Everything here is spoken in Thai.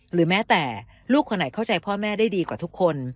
หรือแม้แต่ลูกคนไหนเข้าใจพ่อแม่ได้ดีกว่าทุกคน